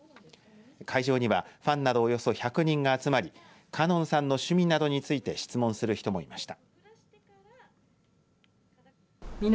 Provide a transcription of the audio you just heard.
会場にはファンなどおよそ１００人が集まり花音さんの趣味などについて質問する人もいました。